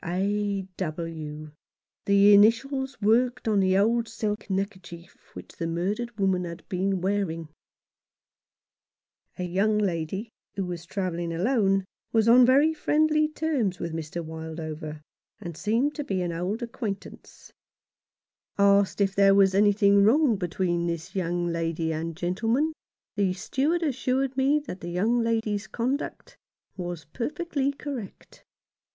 A. W. — the initials worked on the old silk neckerchief which the murdered woman had been wearing ! A young lady, who was travelling alone, was on very friendly terms with Mr. Wildover, and seemed to be an old acquaintance. 119 Rough Justice. Asked if there was anything wrong between this young lady and gentleman, the steward assured me that the young lady's conduct was perfectly correct.